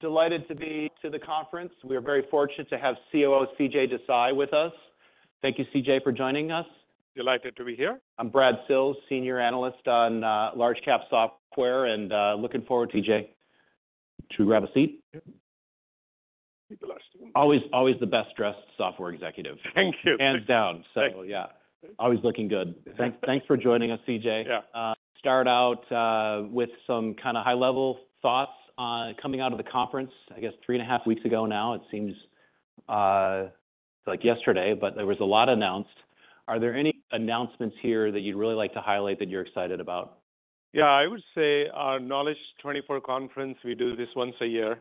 Delighted to be at the conference. We are very fortunate to have COO, CJ Desai, with us. Thank you, CJ, for joining us. Delighted to be here. I'm Brad Sills, Senior Analyst on large cap software, and looking forward, CJ, to grab a seat. Yep. Be the last Always, always the best-dressed software executive. Thank you. Hands down. Thanks. Yeah, always looking good. Thank you. Thanks, thanks for joining us, CJ. Yeah. Start out with some kind of high-level thoughts on coming out of the conference, I guess three and a half weeks ago now. It seems like yesterday, but there was a lot announced. Are there any announcements here that you'd really like to highlight that you're excited about? Yeah, I would say our Knowledge 24 conference, we do this once a year.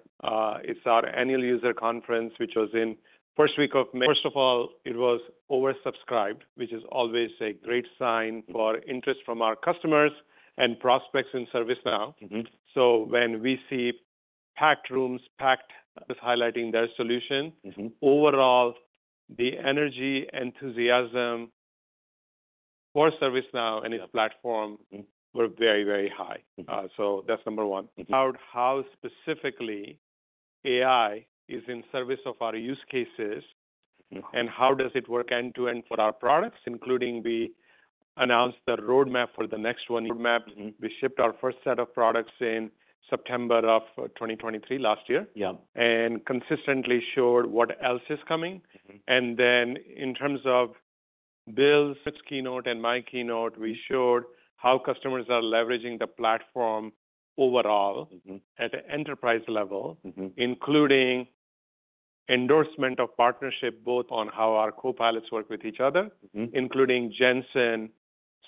It's our annual user conference, which was in first week of May. First of all, it was oversubscribed, which is always a great sign for interest from our customers and prospects in ServiceNow. So when we see packed rooms. Just highlighting their solution. Overall, the energy, enthusiasm for ServiceNow and its platform were very, very high. So that's number one. About how specifically AI is in service of our use cases. How does it work end-to-end for our products, including we announced the roadmap for the next one? Roadmap We shipped our first set of products in September of 2023, last year. Yeah. Consistently showed what else is coming. In terms of Bill's keynote and my keynote, we showed how customers are leveraging the platform overall at the enterprise level including endorsement of partnership, both on how our co-pilots work with each other including Jensen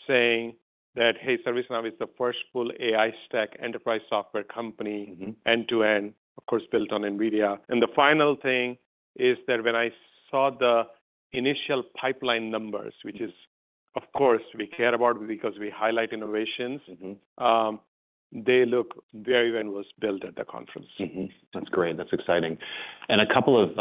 saying that, "Hey, ServiceNow is the first full AI stack enterprise software company “end-to-end, of course, built on NVIDIA.” The final thing is that when I saw the initial pipeline numbers, which is of course we care about because we highlight innovations. They look very well built at the conference. That's great. That's exciting. And a couple of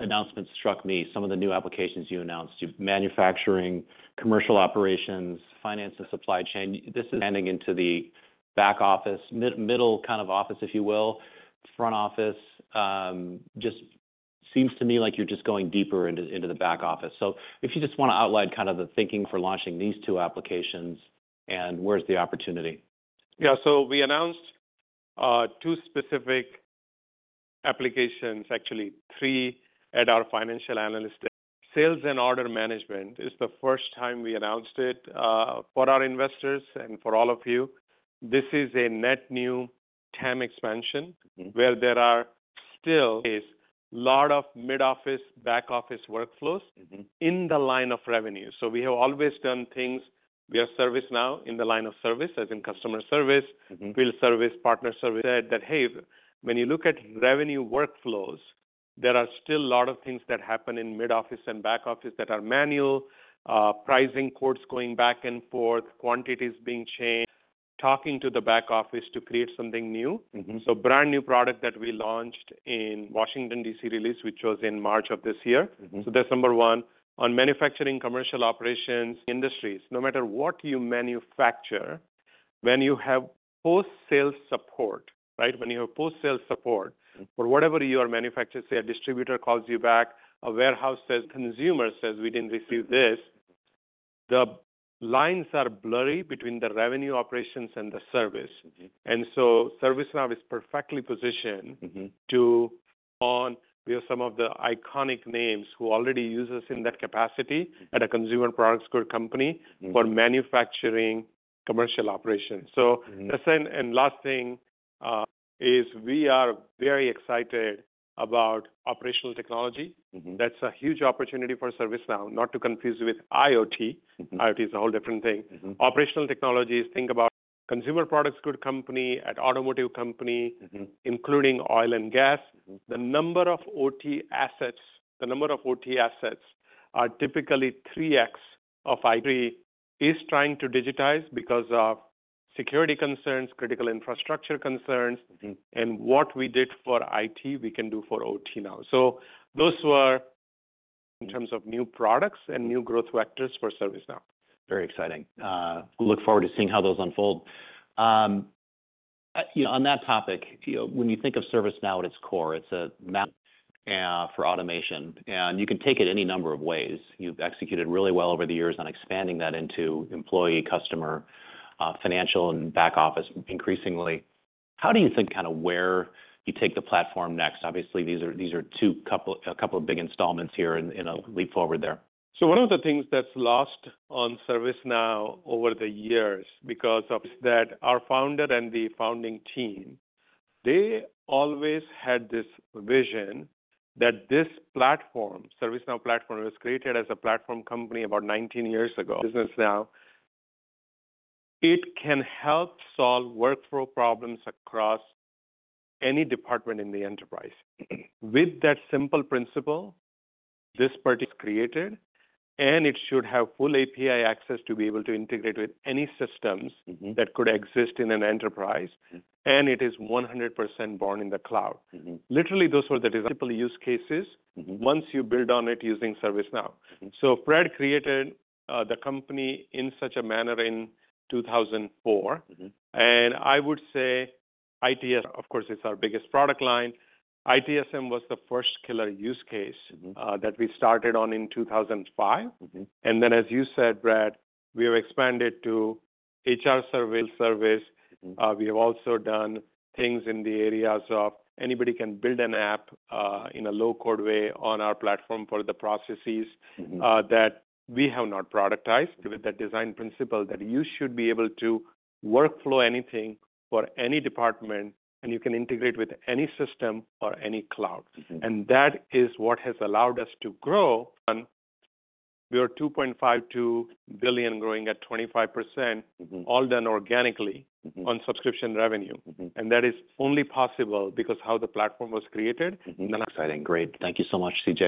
announcements struck me, some of the new applications you announced. You have Manufacturing Commercial Operations, Finance and Supply Chain Workflows. This is extending into the back office, middle office, if you will. Front office just seems to me like you're just going deeper into the back office. So if you just wanna outline kind of the thinking for launching these two applications, and where's the opportunity? Yeah. So we announced two specific applications, actually three, at our financial analyst. Sales and Order Management is the first time we announced it for our investors and for all of you. This is a net new TAM expansion where there is still a lot of mid-office, back-office workflows in the line of revenue. So we have always done things. We are ServiceNow in the line of service, as in Customer Service B2B service, partner service. When you look at revenue workflows, there are still a lot of things that happen in mid-office and back office that are manual, pricing quotes going back and forth, quantities being changed, talking to the back office to create something new. Brand-new product that we launched in Washington, D.C. Release, which was in March of this year. So that's number one. On Manufacturing Commercial Operations industries, no matter what you manufacture, when you have post-sales support, right? When you have post-sales support for whatever you are manufacturing, say, a distributor calls you back, a warehouse says consumer says, "We didn't receive this," the lines are blurry between the revenue operations and the service. ServiceNow is perfectly positioned. We have some of the iconic names who already use us in that capacity at a consumer products company Mm-hmm for Manufacturing Commercial Operations. Mm-hmm. The second and last thing is we are very excited about Operational Technology. Mm-hmm. That's a huge opportunity for ServiceNow, not to confuse with IoT. Mm-hmm. IoT is a whole different thing. Mm-hmm. Operational technologies, think about consumer products, good company, at automotive company- Mm-hmm including oil and gas. Mm-hmm. The number of OT assets are typically 3x of IT is trying to digitize because of security concerns, critical infrastructure concerns. Mm-hmm. What we did for IT, we can do for OT now. Those were in terms of new products and new growth vectors for ServiceNow. Very exciting. Look forward to seeing how those unfold. You know, on that topic, you know, when you think of ServiceNow at its core, it's a map for automation, and you can take it any number of ways. You've executed really well over the years on expanding that into employee, customer, financial, and back office, increasingly. How do you think kind of where you take the platform next? Obviously, these are a couple of big installments here and a leap forward there. So one of the things that's lost on ServiceNow over the years because of that our founder and the founding team, they always had this vision that this platform, ServiceNow platform, was created as a platform company about 19 years ago. ServiceNow, it can help solve workflow problems across any department in the enterprise. Mm-hmm. With that simple principle, this party is created, and it should have full API access to be able to integrate with any systems- Mm-hmm that could exist in an enterprise Mm-hmm It is 100% born in the cloud. Mm-hmm. Literally, those were the simple use cases- Mm-hmm Once you build on it using ServiceNow. Mm-hmm. Fred created the company in such a manner in 2004. Mm-hmm. I would say ITSM, of course, it's our biggest product line. ITSM was the first killer use case- Mm-hmm. that we started on in 2005. Mm-hmm. As you said, Brad, we have expanded to HR service. Mm. We have also done things in the areas of anybody can build an app in a low-code way on our platform for the processes. Mm-hmm that we have not productized. With that design principle, that you should be able to workflow anything for any department, and you can integrate with any system or any cloud. Mm-hmm. That is what has allowed us to grow. We are $2.52 billion, growing at 25%- Mm-hmm -all done organically- Mm-hmm on subscription revenue. Mm-hmm. That is only possible because how the platform was created. Mm-hmm. Exciting. Great. Thank you so much, CJ.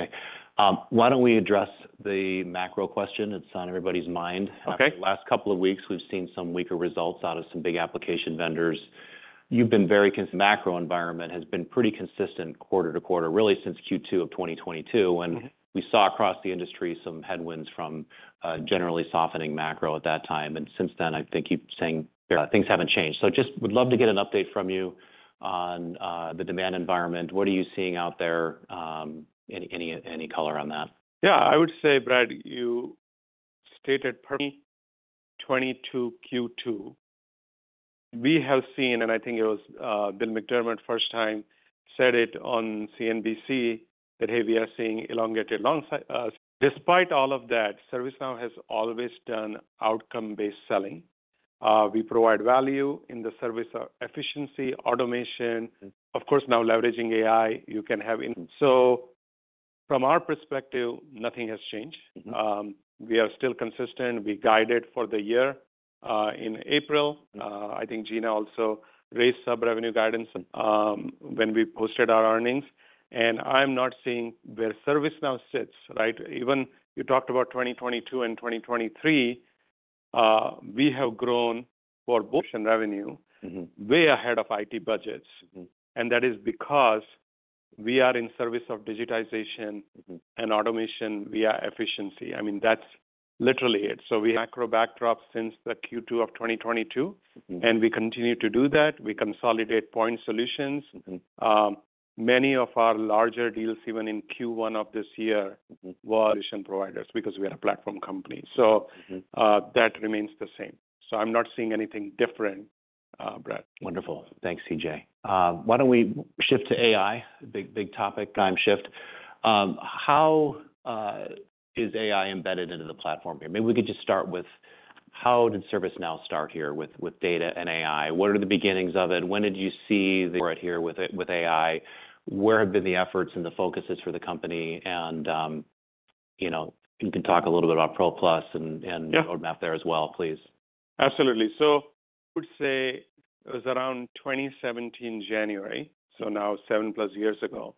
Why don't we address the macro question that's on everybody's mind? Okay. After the last couple of weeks, we've seen some weaker results out of some big application vendors. You've been very consistent. Macro environment has been pretty consistent quarter to quarter, really since Q2 of 2022. Mm-hmm. And we saw across the industry some headwinds from, generally softening macro at that time, and since then, I think you're saying- Yeah Things haven't changed. So just would love to get an update from you on the demand environment. What are you seeing out there? Any color on that? Yeah, I would say, Brad, you stated perfectly, 22 Q2, we have seen, and I think it was, Bill McDermott, first time said it on CNBC, that, "Hey, we are seeing elongated long-" Despite all of that, ServiceNow has always done outcome-based selling. We provide value in the service of efficiency, automation. Mm. Of course, now leveraging AI, you can have in… So from our perspective, nothing has changed. Mm-hmm. We are still consistent. We guided for the year in April. I think Gina also raised sub-revenue guidance when we posted our earnings, and I'm not seeing where ServiceNow sits, right? Even you talked about 2022 and 2023, we have grown for revenue- Mm-hmm way ahead of IT budgets. Mm. That is because we are in service of digitization. Mm-hmm And automation via efficiency. I mean, that's literally it. So we... macro backdrop since the Q2 of 2022. Mm-hmm. We continue to do that. We consolidate point solutions. Mm-hmm. Many of our larger deals, even in Q1 of this year- Mm-hmm were solution providers because we are a platform company. Mm-hmm. That remains the same. I'm not seeing anything different, Brad. Wonderful. Thanks, CJ. Why don't we shift to AI? Big, big topic, paradigm shift. How is AI embedded into the platform here? Maybe we could just start with, how did ServiceNow start here with data and AI? What are the beginnings of it? When did you see the right here with AI? Where have been the efforts and the focuses for the company, and, you know, you can talk a little bit about Pro Plus and, and Yeah roadmap there as well, please. Absolutely. So I would say it was around 2017, January, so now 7+ years ago.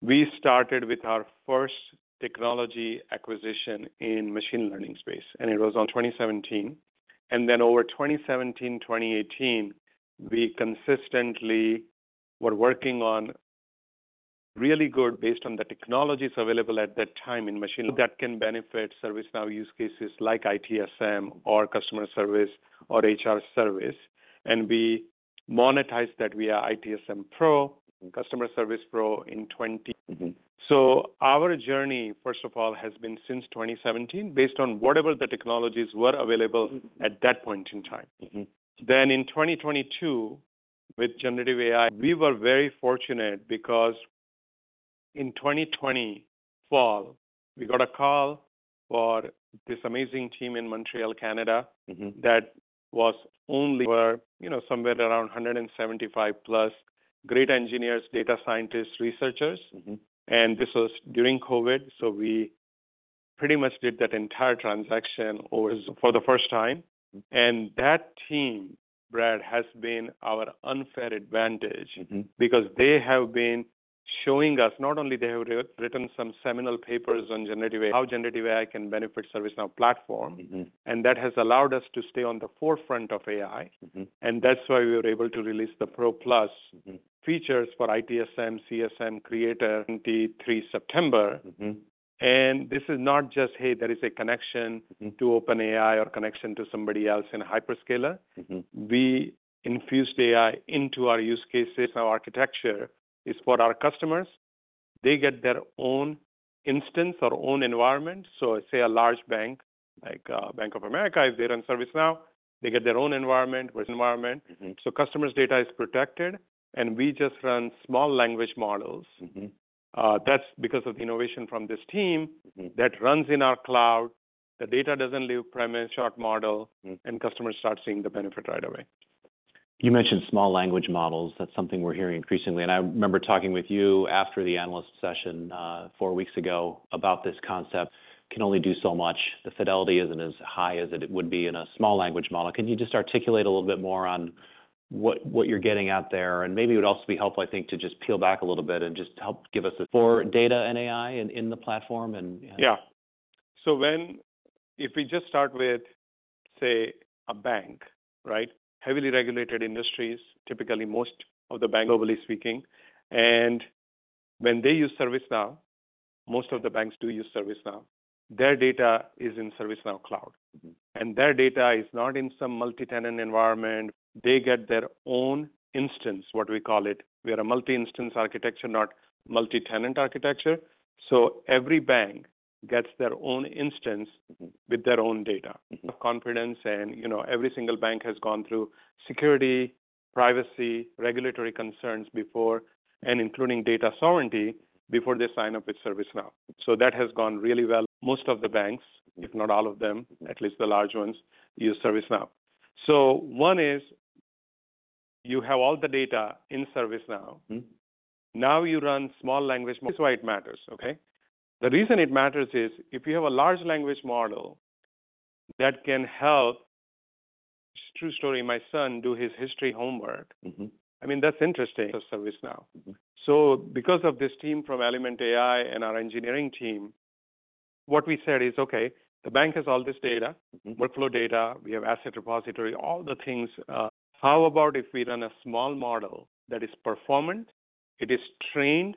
We started with our first technology acquisition in machine learning space, and it was on 2017. And then over 2017, 2018, we consistently were working on really good, based on the technologies available at that time in machine, that can benefit ServiceNow use cases like ITSM or Customer Service or HR service, and we monetize that via ITSM Pro- Mm-hmm Customer Service Pro in 20- Mm-hmm. Our journey, first of all, has been since 2017, based on whatever the technologies were available- Mm-hmm At that point in time. Mm-hmm. Then in 2022, with Generative AI, we were very fortunate because in 2020 fall, we got a call for this amazing team in Montreal, Canada. Mm-hmm that was only where, you know, somewhere around 175+ great engineers, data scientists, researchers. Mm-hmm. This was during COVID, so we pretty much did that entire transaction over... for the first time. Mm. That team, Brad, has been our unfair advantage- Mm-hmm Because they have been showing us, not only they have written some seminal papers on generative AI, how generative AI can benefit ServiceNow platform. Mm-hmm. That has allowed us to stay on the forefront of AI. Mm-hmm. That's why we were able to release the Pro Plus- Mm-hmm -features for ITSM, CSM, Creator, in 3 September. Mm-hmm. This is not just, hey, there is a connection- Mm-hmm to OpenAI or connection to somebody else in a hyperscaler. Mm-hmm. We infused AI into our use cases. Our architecture is for our customers. They get their own instance or own environment. So say a large bank, like Bank of America, is there on ServiceNow, they get their own environment, which environment. Mm-hmm. Customers' data is protected, and we just run small language models. Mm-hmm. That's because of the innovation from this team- Mm-hmm that runs in our cloud. The data doesn't leave premises, short model- Mm-hmm Customers start seeing the benefit right away. You mentioned small language models. That's something we're hearing increasingly, and I remember talking with you after the analyst session four weeks ago about this concept, can only do so much. The fidelity isn't as high as it would be in a small language model. Can you just articulate a little bit more on what, what you're getting out there? And maybe it would also be helpful, I think, to just peel back a little bit and just help give us a... for data and AI in, in the platform, and yeah. Yeah. So if we just start with, say, a bank, right? Heavily regulated industries, typically, most of the banks, globally speaking, when they use ServiceNow, most of the banks do use ServiceNow. Their data is in ServiceNow cloud. Mm-hmm. Their data is not in some multi-tenant environment. They get their own instance, what we call it. We are a multi-instance architecture, not multi-tenant architecture. Every bank gets their own instance- Mm-hmm with their own data. Mm-hmm. Of confidence and, you know, every single bank has gone through security, privacy, regulatory concerns before, and including data sovereignty, before they sign up with ServiceNow. So that has gone really well. Most of the banks, if not all of them, at least the large ones, use ServiceNow. So one is you have all the data in ServiceNow. Mm-hmm. Now, you run small language model. That's why it matters, okay? The reason it matters is if you have a large language model that can help, true story, my son do his history homework I mean, that's interesting, of ServiceNow. Mm-hmm. So because of this team from Element AI and our engineering team, what we said is, "Okay, the bank has all this data. Workflow data, we have asset repository, all the things. How about if we run a small model that is performant, it is trained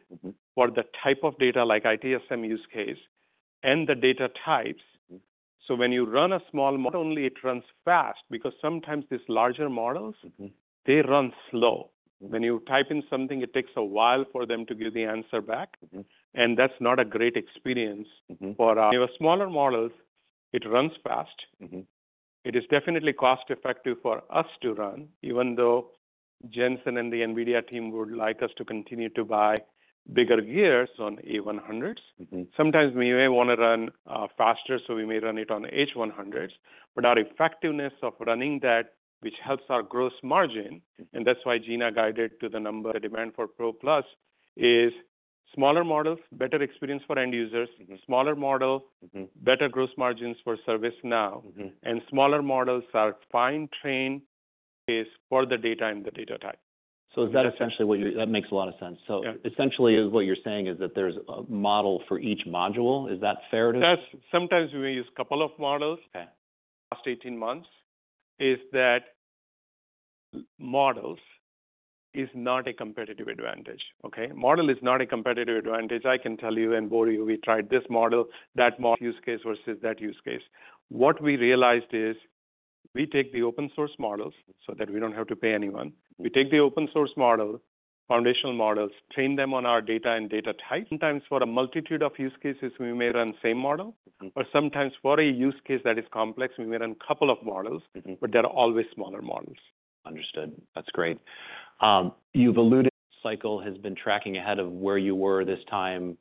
for the type of data like ITSM use case and the data types. When you run a small model, not only it runs fast, because sometimes these larger models they run slow. When you type in something, it takes a while for them to give the answer back. That's not a great experience when you have smaller models, it runs fast. It is definitely cost effective for us to run, even though Jensen and the NVIDIA team would like us to continue to buy bigger GPUs on A100s. Sometimes we may wanna run faster, so we may run it on H100s. But our effectiveness of running that, which helps our gross margin and that's why Gina guided to the number. The demand for Pro Plus is smaller models, better experience for end users. Smaller model better gross margins for ServiceNow. Mm-hmm. Smaller models are fine-tuned for the data and the data type. So, is that essentially what you...? That makes a lot of sense. Yeah. Essentially, is what you're saying is that there's a model for each module? Is that fair to- That's... Sometimes we use couple of models. Okay. Last 18 months, is that models is not a competitive advantage, okay? Model is not a competitive advantage. I can tell you and Brad, we tried this model, that model, use case versus that use case. What we realized is we take the open source models, so that we don't have to pay anyone. We take the open source models, foundational models, train them on our data and data type. Sometimes for a multitude of use cases, we may run same model. Or sometimes for a use case that is complex, we may run couple of models. But they're always smaller models. Understood. That's great. You've alluded cycle has been tracking ahead of where you were this time,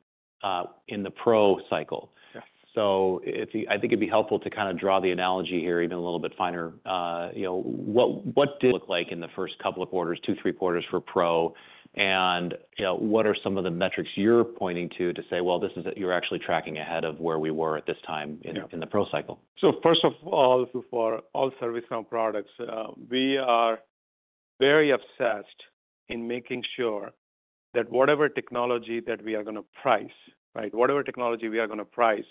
in the Pro cycle. Yeah. So, I think it'd be helpful to kinda draw the analogy here even a little bit finer. You know, what did look like in the first couple of quarters, 2, 3 quarters for Pro? And, you know, what are some of the metrics you're pointing to, to say: "Well, this is it. You're actually tracking ahead of where we were at this time in the Pro cycle? First of all, for all ServiceNow products, we are very obsessed in making sure that whatever technology that we are gonna price, right, whatever technology we are gonna price,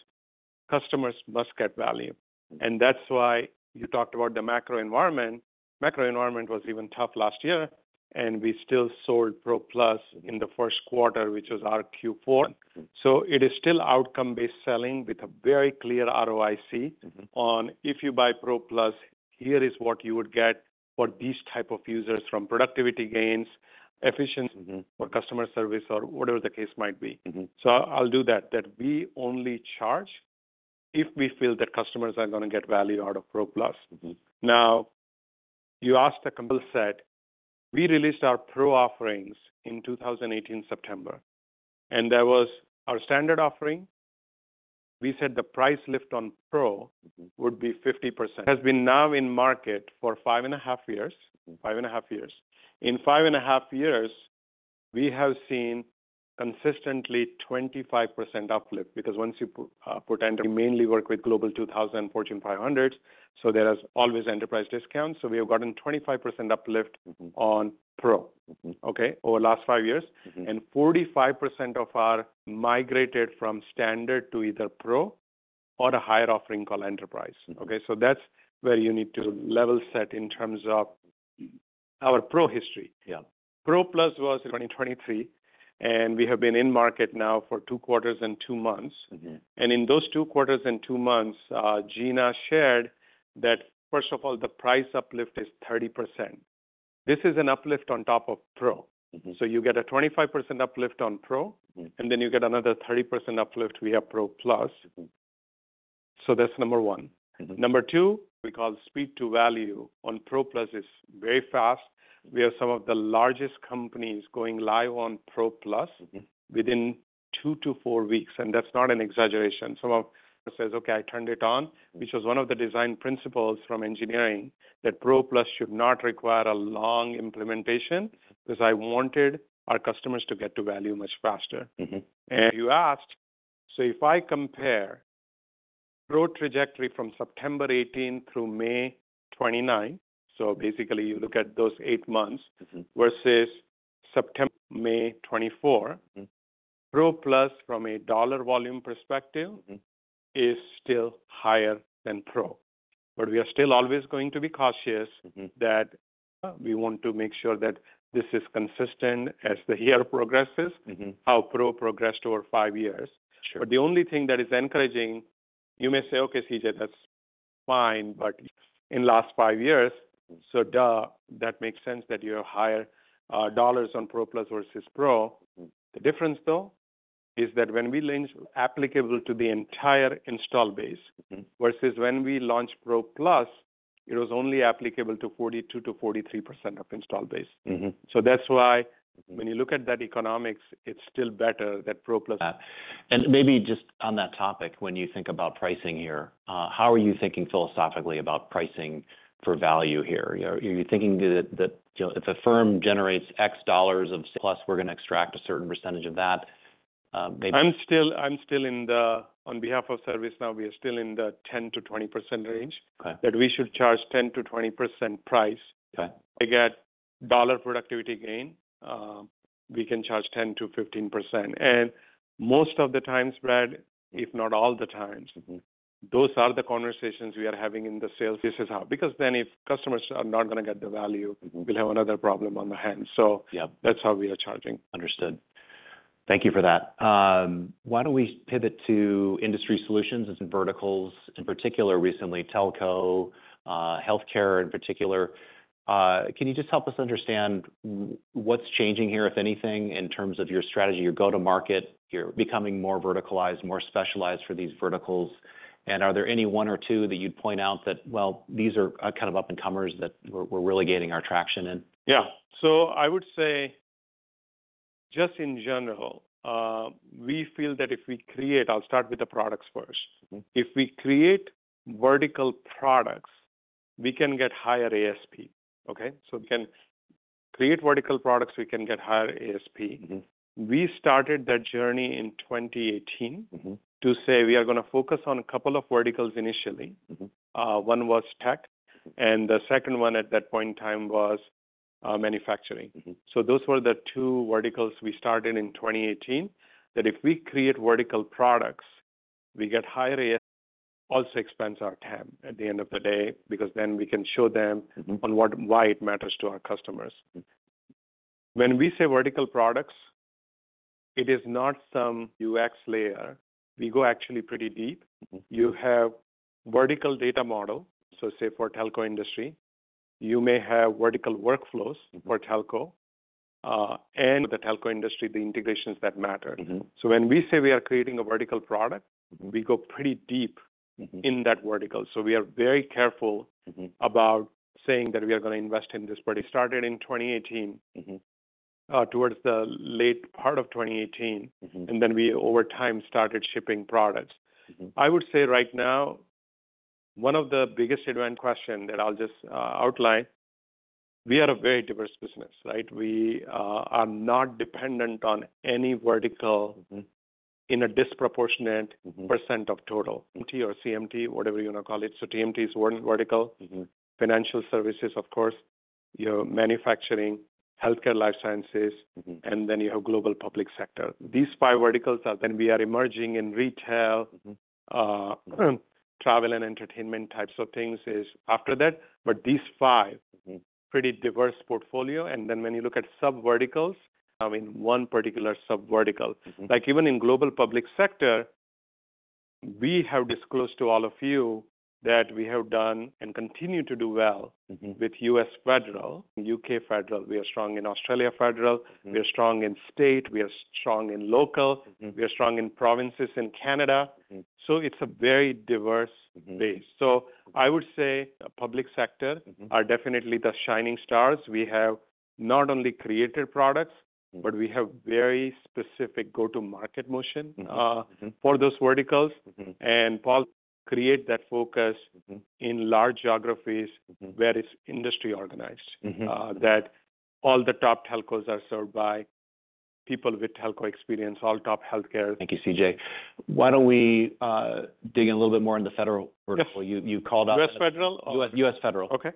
customers must get value. Mm-hmm. And that's why you talked about the macro environment. Macro environment was even tough last year, and we still sold Pro Plus- Mm-hmm... in the first quarter, which was our Q4. Mm-hmm. So it is still outcome-based selling with a very clear ROIC- Mm-hmm... on if you buy ProPlus, here is what you would get for these type of users, from productivity gains, efficiency- Mm-hmm... or Customer Service, or whatever the case might be. Mm-hmm. I'll do that, that we only charge if we feel that customers are gonna get value out of Pro Plus. Mm-hmm. Now, you asked a couple set. We released our Pro offerings in September 2018, and that was our standard offering. We said the price lift on Pro- Mm-hmm... would be 50%. Has been Now in market for 5.5 years. Mm-hmm. 5.5 years. In 5.5 years, we have seen consistently 25% uplift, because once you We mainly work with Global 2000, Fortune 500, so there is always enterprise discounts. So we have gotten 25% uplift- Mm-hmm... on Pro. Mm-hmm. Okay? Over the last five years. Mm-hmm. 45% of our migrated from standard to either Pro or a higher offering called Enterprise. Mm-hmm. Okay, so that's where you need to level set in terms of our Pro history. Yeah. Plus was in 2023, and we have been in market now for 2 quarters and 2 months. Mm-hmm. In those two quarters and two months, Gina shared that, first of all, the price uplift is 30%. This is an uplift on top of Pro. Mm-hmm. You get a 25% uplift on Pro- Mm-hmm... and then you get another 30% uplift via Pro Plus. Mm-hmm. That's number one. Mm-hmm. Number two, we call speed to value on Pro Plus, is very fast. We have some of the largest companies going live on Pro Plus- Mm-hmm... within 2-4 weeks, and that's not an exaggeration. Some of... Says: "Okay, I turned it on," which was one of the design principles from engineering, that Pro Plus should not require a long implementation, because I wanted our customers to get to value much faster. Mm-hmm. You asked, so if I compare Pro trajectory from September 18 through May 29, so basically you look at those eight months- Mm-hmm... versus September, May 2024- Mm-hmm... Pro Plus, from a dollar volume perspective- Mm-hmm ... is still higher than Pro... but we are still always going to be cautious- Mm-hmm. that, we want to make sure that this is consistent as the year progresses. Mm-hmm. How Pro progressed over 5 years. Sure. But the only thing that is encouraging, you may say, "Okay, CJ, that's fine, but in last five years, Mm. So duh, that makes sense that you have higher dollars on Pro Plus versus Pro. Mm. The difference, though, is that when we launched applicable to the entire installed base- Mm-hmm. -versus when we launched Pro Plus, it was only applicable to 42%-43% of installed base. Mm-hmm. So that's why- Mm... when you look at that economics, it's still better than Pro Plus. Yeah. And maybe just on that topic, when you think about pricing here, how are you thinking philosophically about pricing for value here? Are you thinking that you know, if a firm generates X dollars of Plus, we're gonna extract a certain percentage of that? Maybe- I'm still in the... On behalf of ServiceNow, we are still in the 10%-20% range. Okay. That we should charge 10%-20% price. Okay. To get dollar productivity gain, we can charge 10%-15%. Most of the times, Brad, if not all the times- Mm-hmm... those are the conversations we are having in the sales. This is how, because then if customers are not gonna get the value- Mm-hmm. We'll have another problem on our hands. So Yeah... that's how we are charging. Understood. Thank you for that. Why don't we pivot to industry solutions and verticals, in particular, recently, telco, healthcare in particular. Can you just help us understand what's changing here, if anything, in terms of your strategy, your go-to-market, you're becoming more verticalized, more specialized for these verticals? And are there any one or two that you'd point out that, well, these are kind of up-and-comers that we're really gaining our traction in? Yeah. So I would say, just in general, we feel that if we create... I'll start with the products first. Mm. If we create vertical products, we can get higher ASP, okay? So we can create vertical products, we can get higher ASP. Mm-hmm. We started that journey in 2018- Mm-hmm... to say we are gonna focus on a couple of verticals initially. Mm-hmm. One was tech, and the second one at that point in time was manufacturing. Mm-hmm. So those were the two verticals we started in 2018, that if we create vertical products, we get higher ASP, also expands our TAM at the end of the day, because then we can show them- Mm-hmm... on what and why it matters to our customers. Mm-hmm. When we say vertical products, it is not some UX layer. We go actually pretty deep. Mm-hmm. You have vertical data model, so say for telco industry. You may have vertical workflows- Mm-hmm... for telco, and the telco industry, the integrations that matter. Mm-hmm. So when we say we are creating a vertical product- Mm-hmm... we go pretty deep- Mm-hmm... in that vertical. So we are very careful- Mm-hmm... about saying that we are gonna invest in this. It started in 2018- Mm-hmm... towards the late part of 2018. Mm-hmm. And then we, over time, started shipping products. Mm-hmm. I would say right now, one of the biggest open question that I'll just outline: We are a very diverse business, right? We are not dependent on any vertical- Mm-hmm... in a disproportionate- Mm-hmm... percent of total. TMT or CMT, whatever you wanna call it, so TMT is one vertical. Mm-hmm. Financial services, of course, your manufacturing, healthcare, life sciences- Mm-hmm... and then you have Global Public Sector. These five verticals are. Then we are emerging in retail. Mm-hmm. Travel and entertainment types of things is after that, but these five- Mm-hmm... pretty diverse portfolio. And then when you look at subverticals, I mean, one particular subvertical. Mm-hmm. Like even in Global Public Sector, we have disclosed to all of you that we have done and continue to do well- Mm-hmm... with U.S. Federal, U.K. Federal. We are strong in Australia Federal. Mm-hmm. We are strong in state, we are strong in local. Mm-hmm. We are strong in provinces in Canada. Mm. It's a very diverse- Mm-hmm... base. So I would say public sector- Mm-hmm... are definitely the shining stars. We have not only created products- Mm... but we have very specific go-to-market motion- Mm-hmm, mm-hmm... for those verticals. Mm-hmm. And, Paul, create that focus- Mm-hmm... in large geographies- Mm-hmm... where it's industry organized. Mm-hmm. that all the top telcos are served by people with telco experience, all top healthcare. Thank you, CJ. Why don't we dig in a little bit more on the federal vertical? Yep. You, you called out- U.S. federal U.S., U.S. Federal. Okay.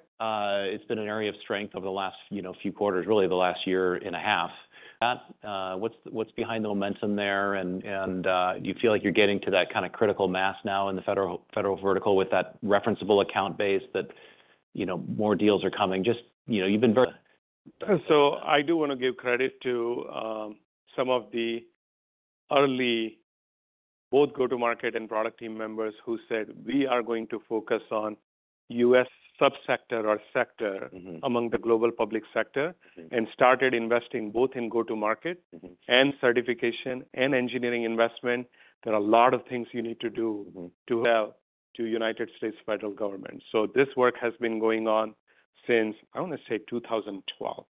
It's been an area of strength over the last, you know, few quarters, really, the last year and a half. What's behind the momentum there? And do you feel like you're getting to that kind of critical mass now in the federal vertical with that referenceable account base that, you know, more deals are coming? Just, you know, you've been very- So I do wanna give credit to some of the early, both go-to-market and product team members who said: "We are going to focus on U.S. subsector or sector- Mm-hmm... among the global public sector," and started investing both in go-to-market- Mm-hmm... and certification, and engineering investment. There are a lot of things you need to do- Mm-hmm... to sell to United States federal government. So this work has been going on since, I wanna say, 2012. Yeah ...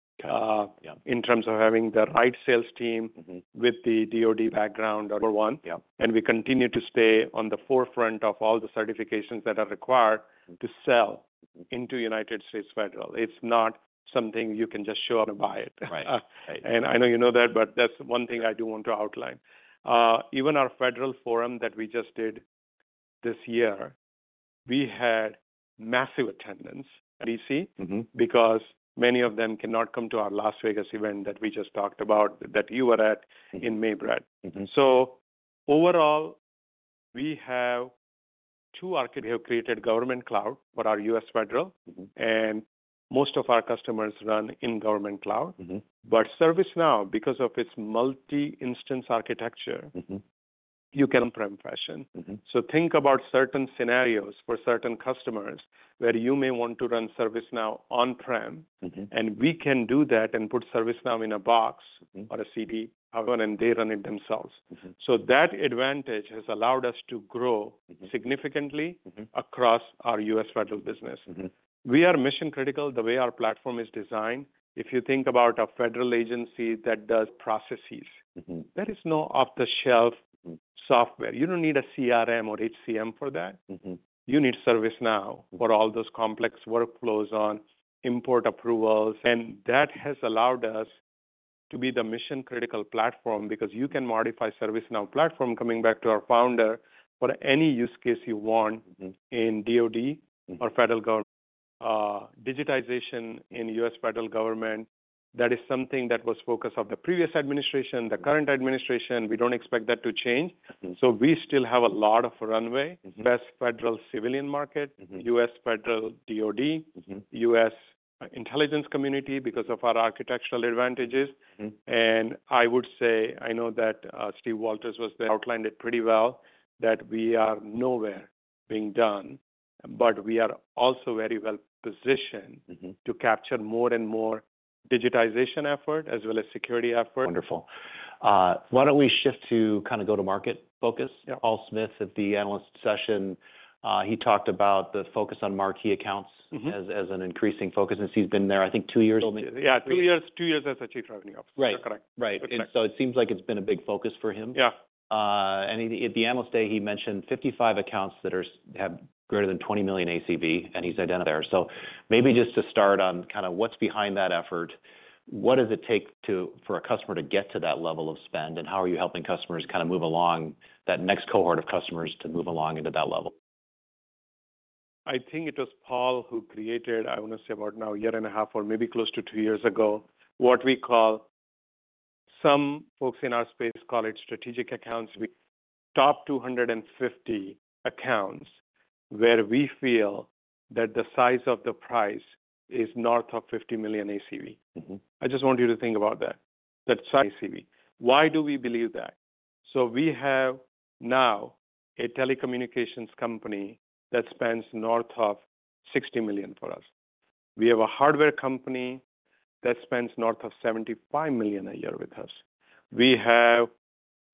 in terms of having the right sales team- Mm-hmm... with the DoD background, number one. Yeah. We continue to stay on the forefront of all the certifications that are required- Mm... to sell into United States Federal. It's not something you can just show up and buy it. Right. Right. I know you know that, but that's one thing I do want to outline. Even our Federal Forum that we just did this year, we had massive attendance in D.C. Mm-hmm... because many of them cannot come to our Las Vegas event that we just talked about, that you were at in May, Brad. Mm-hmm. Overall, we have created Government Cloud for our U.S. Federal. Mm-hmm. Most of our customers run in Government Cloud. Mm-hmm. But ServiceNow, because of its Multi-instance architecture- Mm-hmm you can on-prem fashion. Mm-hmm. Think about certain scenarios for certain customers, where you may want to run ServiceNow on-prem. Mm-hmm. We can do that and put ServiceNow in a box- Mm-hmm or a CD out, and they run it themselves. Mm-hmm. That advantage has allowed us to grow- Mm-hmm -significantly- Mm-hmm across our U.S. Federal business. Mm-hmm. We are mission-critical the way our platform is designed. If you think about a federal agency that does processes- Mm-hmm... there is no off-the-shelf software. You don't need a CRM or HCM for that. Mm-hmm. You need ServiceNow- Mm-hmm for all those complex workflows on import approvals. That has allowed us to be the mission-critical platform, because you can modify ServiceNow platform, coming back to our founder, for any use case you want. Mm-hmm -in DoD- Mm-hmm or federal government. Digitization in U.S. federal government, that is something that was focus of the previous administration, the current administration. We don't expect that to change. Mm-hmm. We still have a lot of runway. Mm-hmm. Best federal civilian market. Mm-hmm... U.S. Federal DoD- Mm-hmm U.S. intelligence community because of our architectural advantages. Mm-hmm. I would say, I know that Steve Walters was there, outlined it pretty well, that we are nowhere near done, but we are also very well positioned- Mm-hmm -to capture more and more digitization effort as well as security effort. Wonderful. Why don't we shift to kind of go-to-market focus? Yeah. Paul Smith at the analyst session, he talked about the focus on marquee accounts- Mm-hmm As an increasing focus, since he's been there, I think, two years? Yeah, two years. Two years as a Chief Revenue Officer. Right. You're correct. Right. Correct. It seems like it's been a big focus for him. Yeah. And at the Analyst Day, he mentioned 55 accounts that have greater than $20 million ACV, and he's identified there. So maybe just to start on kind of what's behind that effort, what does it take for a customer to get to that level of spend, and how are you helping customers kind of move along, that next cohort of customers to move along into that level? I think it was Paul who created, I want to say about now, a year and a half or maybe close to 2 years ago, what we call. Some folks in our space call it strategic accounts. We, top 250 accounts, where we feel that the size of the price is north of $50 million ACV. Mm-hmm. I just want you to think about that, that size ACV. Why do we believe that? So we have now a telecommunications company that spends north of $60 million for us. We have a hardware company that spends north of $75 million a year with us. We have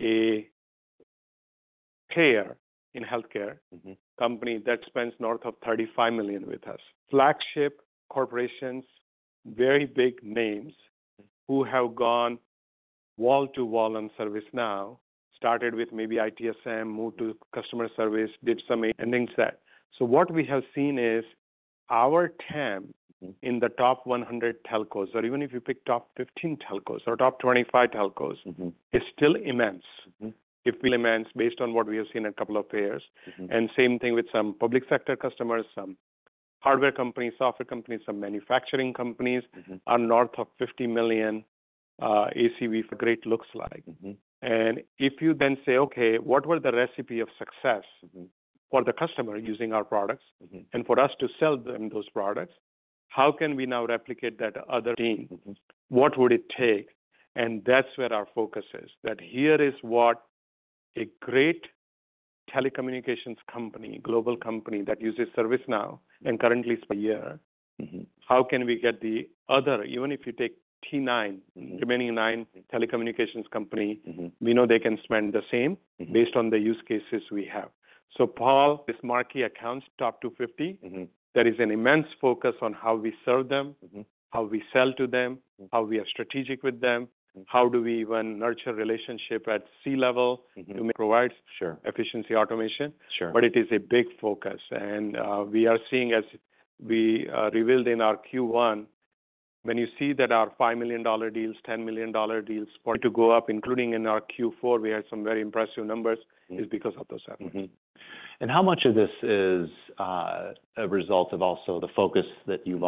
a payer in healthcare- Mm-hmm -company that spends north of $35 million with us. Flagship corporations, very big names, who have gone wall to wall on ServiceNow, started with maybe ITSM, moved to Customer Service, did some ending set. So what we have seen is our TAM- Mm-hmm -in the top 100 telcos, or even if you pick top 15 telcos or top 25 telcos- Mm-hmm is still immense. Mm-hmm. It's immense based on what we have seen in a couple of years. Mm-hmm. Same thing with some public sector customers, some hardware companies, software companies, some manufacturing companies. Mm-hmm are north of $50 million ACV for great logos like. Mm-hmm. If you then say, "Okay, what were the recipe of success- Mm-hmm for the customer using our products? Mm-hmm. For us to sell them those products, how can we now replicate that other team? Mm-hmm. “What would it take?” That's where our focus is, that here is what a great telecommunications company, global company, that uses ServiceNow and currently spend a year. Mm-hmm. How can we get the other... Even if you take the Mm-hmm remaining nine telecommunications company we know they can spend the same based on the use cases we have. So Paul, this marquee accounts, top 250. There is an immense focus on how we serve them how we sell to them how we are strategic with them. How do we even nurture relationship at C-level? Mm-hmm -to provide- Sure -efficiency automation. Sure. But it is a big focus, and we are seeing as we revealed in our Q1, when you see that our $5 million deals, $10 million deals- Mm-hmm are to go up, including in our Q4, we had some very impressive numbers, is because of those reasons. Mm-hmm. And how much of this is a result of also the focus that you've...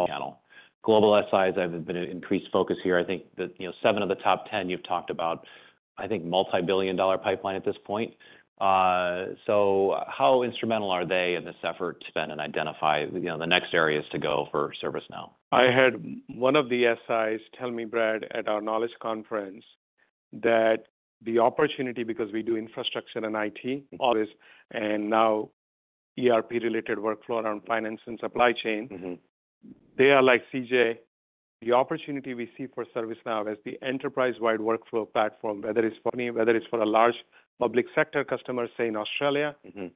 Global SIs, have been an increased focus here. I think that, you know, seven of the top 10 you've talked about, I think multi-billion dollar pipeline at this point. So how instrumental are they in this effort to spend and identify, you know, the next areas to go for ServiceNow? I had one of the SIs tell me, Brad, at our knowledge conference, that the opportunity, because we do infrastructure and IT, always, and now ERP-related workflow around finance and supply chain- Mm-hmm ... They are like CJ. The opportunity we see for ServiceNow as the enterprise-wide workflow platform, whether it's for me, whether it's for a large public sector customer, say, in Australia- Mm-hmm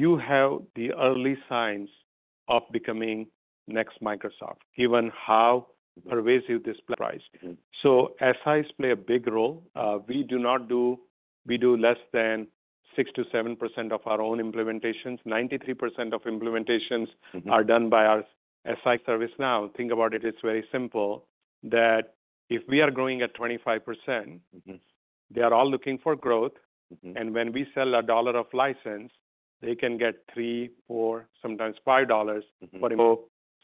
You have the early signs of becoming the next Microsoft, given how pervasive this platform is. Mm-hmm. So SIs play a big role. We do less than 6%-7% of our own implementations. 93% of implementations- Mm-hmm -are done by our SI ServiceNow. Think about it, it's very simple, that if we are growing at 25%- Mm-hmm... they are all looking for growth. Mm-hmm. When we sell $1 of license, they can get $3, $4, sometimes $5. Mm-hmm.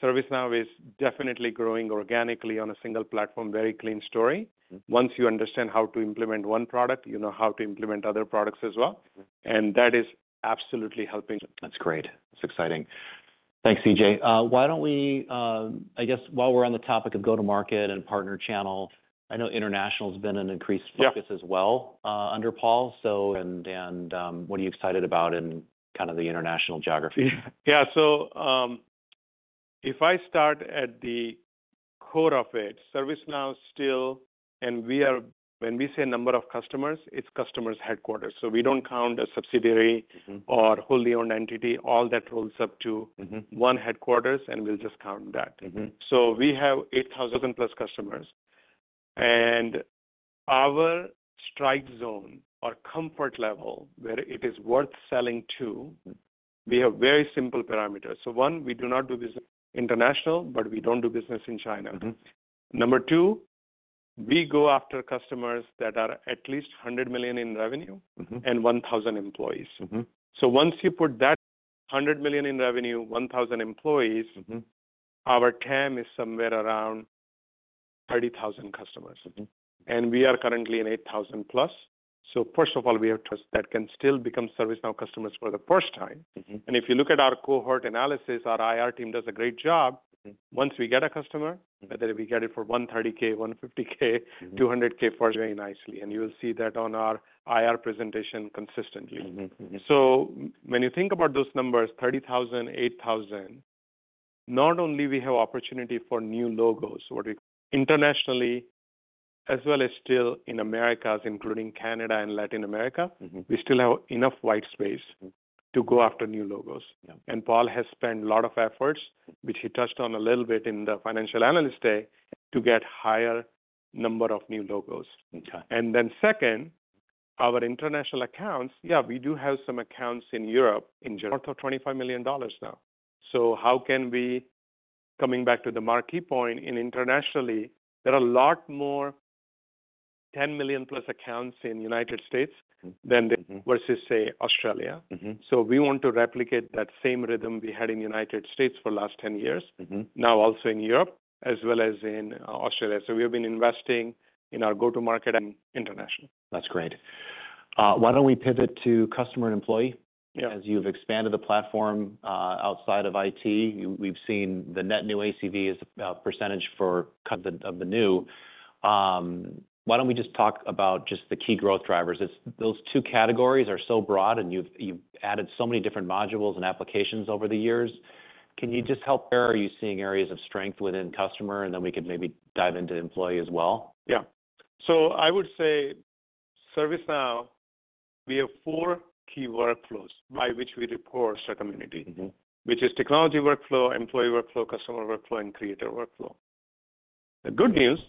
ServiceNow is definitely growing organically on a single platform, very clean story. Mm-hmm. Once you understand how to implement one product, you know how to implement other products as well. Mm-hmm. That is absolutely helping. That's great. That's exciting. Thanks, CJ. Why don't we, I guess, while we're on the topic of go-to-market and partner channel, I know international has been an increased focus- Yeah -as well, under Paul. What are you excited about in kind of the international geography? Yeah. So, if I start at the core of it, ServiceNow is still... And we are—when we say number of customers, it's customers headquarters. So we don't count a subsidiary- Mm-hmm. or wholly owned entity. All that rolls up to- Mm-hmm one headquarters, and we'll just count that. Mm-hmm. We have 8,000+ customers, and our strike zone or comfort level, where it is worth selling to- Mm-hmm We have very simple parameters. So one, we do not do business internationally, but we don't do business in China. Mm-hmm. Number 2, we go after customers that are at least $100 million in revenue- Mm-hmm -and 1,000 employees. Mm-hmm. Once you put that $100 million in revenue, 1,000 employees- Mm-hmm... our TAM is somewhere around 30,000 customers. Mm-hmm. We are currently in 8,000 plus. First of all, we have trust that can still become ServiceNow customers for the first time. Mm-hmm. If you look at our cohort analysis, our IR team does a great job. Mm-hmm. Once we get a customer, whether we get it for $130K, $150K, $200K, very nicely, and you will see that on our IR presentation consistently. Mm-hmm. Mm-hmm. So when you think about those numbers, 30,000, 8,000, not only we have opportunity for new logos internationally as well as still in Americas, including Canada and Latin America- Mm-hmm... we still have enough white space- Mm-hmm to go after new logos. Yeah. Paul has spent a lot of efforts, which he touched on a little bit in the Financial Analyst Day, to get higher number of new logos. Okay. Then second, our international accounts, yeah, we do have some accounts in Europe, in north of $25 million now. So how can we, coming back to the marquee point, in internationally, there are a lot more 10 million plus accounts in the United States- Mm-hmm than versus, say, Australia. Mm-hmm. So we want to replicate that same rhythm we had in the United States for the last 10 years- Mm-hmm now also in Europe as well as in Australia. So we have been investing in our go-to-market and international. That's great. Why don't we pivot to customer and employee? Yeah. As you've expanded the platform outside of IT, we've seen the net new ACV as a percentage for kind of, of the new. Why don't we just talk about just the key growth drivers? It's... Those two categories are so broad, and you've added so many different modules and applications over the years. Can you just help... Where are you seeing areas of strength within customer? And then we could maybe dive into employee as well. Yeah. So I would say, ServiceNow, we have four key workflows by which we report to the community. Mm-hmm. Which is Technology Workflows, Employee Workflows, Customer Workflows, and Creator Workflows. The good news,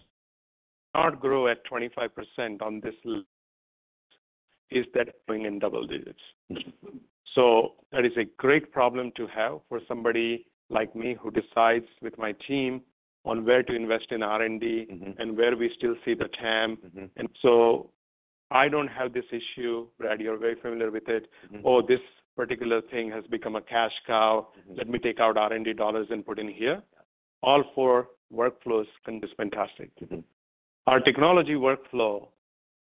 not grow at 25% on this, is that growing in double digits. Mm-hmm. That is a great problem to have for somebody like me, who decides with my team on where to invest in R&D- Mm-hmm and where we still see the TAM. Mm-hmm. I don't have this issue. Brad, you're very familiar with it. Mm-hmm. Oh, this particular thing has become a cash cow. Mm-hmm. Let me take out R&D dollars and put in here. All four workflows can do fantastic. Mm-hmm. Our technology workflow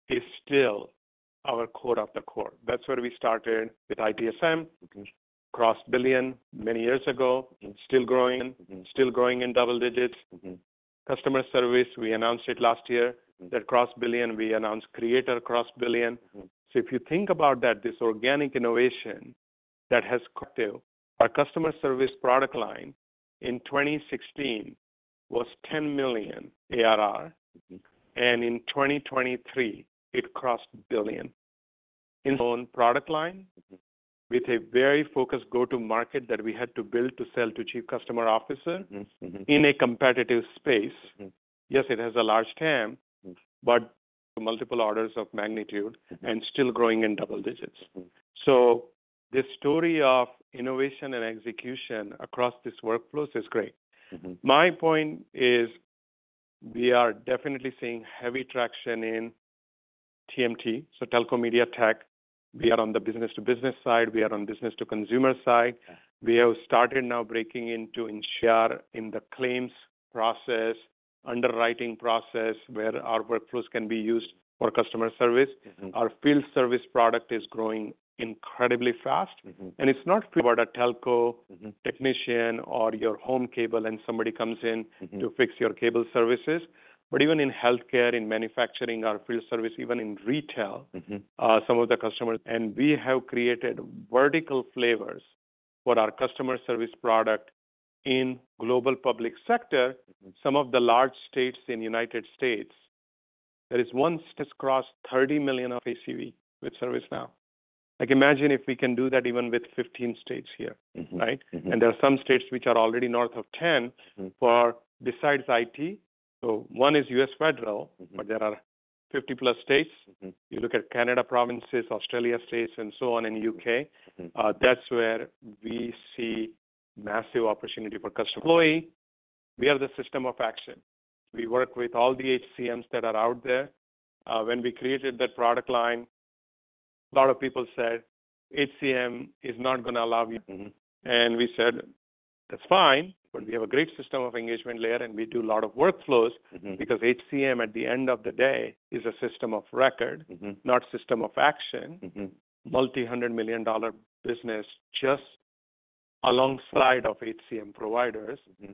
is still our core of the core. That's where we started with ITSM. Mm-hmm. Crossed billion many years ago. Mm-hmm. Still growing. Mm-hmm. Still growing in double digits. Mm-hmm. Customer Service, we announced it last year. Mm-hmm. That crossed billion. We announced Creator crossed billion. Mm-hmm. If you think about that, this organic innovation that has... Our Customer Service product line in 2016 was $10 million ARR. Mm-hmm. In 2023, it crossed $1 billion. In own product line- Mm-hmm with a very focused go-to-market that we had to build to sell to Chief Customer Officer Mm-hmm. Mm-hmm in a competitive space. Mm-hmm. Yes, it has a large TAM- Mm-hmm but multiple orders of magnitude Mm-hmm and still growing in double digits. Mm-hmm. The story of innovation and execution across these workflows is great. Mm-hmm. My point is, we are definitely seeing heavy traction in TMT, so telco, media, tech. We are on the business to business side. We are on business to consumer side. Yeah. We have started now breaking into insurance in the claims process, underwriting process, where our workflows can be used for Customer Service. Mm-hmm. Field Service product is growing incredibly fast. Mm-hmm. And it's not about a telco- Mm-hmm technician or your home cable, and somebody comes in. Mm-hmm to fix your cable services, but even in healthcare, in manufacturing, Field Service, even in retail- Mm-hmm Some of the customers. We have created vertical flavors for our Customer Service product in Global Public Sector. Mm-hmm. Some of the large states in the United States, there is one... has crossed $30 million of ACV with ServiceNow. Like, imagine if we can do that even with 15 states here, right? Mm-hmm. Mm-hmm. There are some states which are already north of ten- Mm-hmm for besides IT. So one is U.S. federal- Mm-hmm But there are 50 plus states. Mm-hmm. You look at Canada provinces, Australia states, and so on in U.K. Mm-hmm. That's where we see massive opportunity for customer. Employee, we are the System of Action. We work with all the HCMs that are out there. When we created that product line, a lot of people said, "HCM is not gonna allow you. Mm-hmm. And we said, "That's fine, but we have a great System of Engagement layer, and we do a lot of workflows- Mm-hmm because HCM, at the end of the day, is a system of record. Mm-hmm not System of Action. Mm-hmm. Multi-hundred-million-dollar business just alongside of HCM providers. Mm-hmm.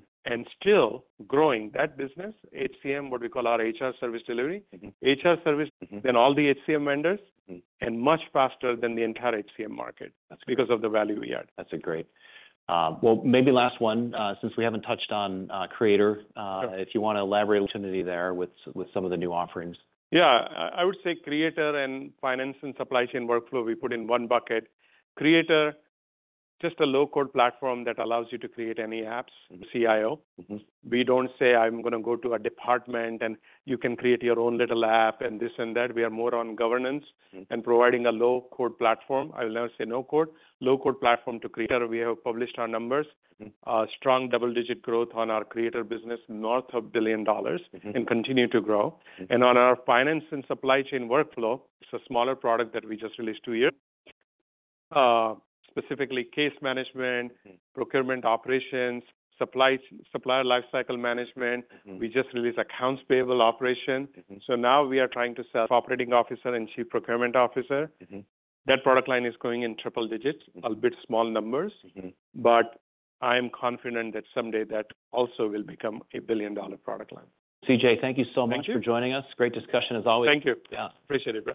Still growing that business, HCM, what we call our HR Service Delivery. Mm-hmm. HR service- Mm-hmm then all the HCM vendors Mm-hmm and much faster than the entire HCM market. That's- Because of the value we add. That's great. Well, maybe last one, since we haven't touched on Creator. Sure. If you wanna elaborate on the opportunity there with some of the new offerings? Yeah. I would say Creator and finance and supply chain workflow, we put in one bucket. Creator, just a low-code platform that allows you to create any apps. Mm-hmm. CIO. Mm-hmm. We don't say: I'm gonna go to a department, and you can create your own little app, and this and that. We are more on governance- Mm-hmm and providing a low-code platform. I will never say no code. Low-code platform to Creator, we have published our numbers. Mm-hmm. Strong double-digit growth on our Creator business, north of $1 billion- Mm-hmm and continue to grow. Mm-hmm. On our Finance and Supply Chain Workflow, it's a smaller product that we just released 2 years. Specifically, case management- Mm-hmm Procurement Operations, supply, Supplier Lifecycle Management. We just released Accounts Payable Operations. So now we are trying to sell to the Chief Operating Officer and Chief Procurement Officer. That product line is growing in triple digits. A bit small numbers But I am confident that someday that also will become a billion-dollar product line. CJ, thank you so much Thank you for joining us. Great discussion, as always. Thank you. Yeah. Appreciate it, Brad.